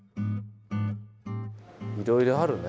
いろいろあるね。